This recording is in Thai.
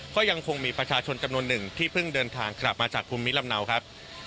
ก็ยังคงมีประชาชนจำนวนหนึ่งที่เพิ่งเดินทางกลับมาจากภูมิลำเนาครับ